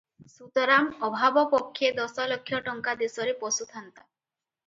ସୁତରାଂ ଅଭାବ ପକ୍ଷେ ଦଶଲକ୍ଷ ଟଙ୍କା ଦେଶରେ ପଶୁଥାନ୍ତା ।